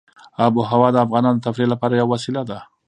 آب وهوا د افغانانو د تفریح لپاره یوه وسیله ده.